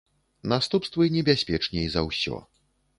Наступствы небяспечней за ўсё.